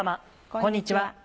こんにちは。